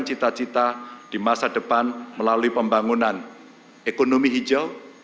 kamiback to news dan dikenakan banyak peristiwa